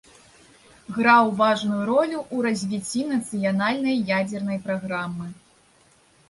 Граў важную ролю ў развіцці нацыянальнай ядзернай праграмы.